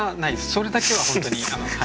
それだけは本当に。